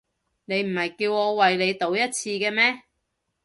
你唔係叫我為你賭一次嘅咩？